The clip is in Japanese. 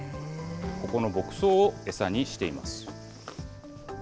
ここの牧草を餌にしています。